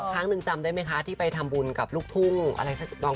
ครั้งหนึ่งจำได้ไหมคะที่ไปทำบุญกับลูกทุ่งอะไรสักน้อง